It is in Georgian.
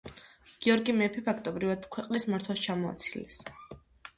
გიორგი მეფე ფაქტობრივად ქვეყნის მართვას ჩამოაცილეს.